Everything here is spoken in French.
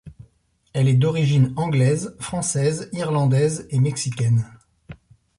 Elle est d'origine anglaise, française, irlandaise et mexicaine.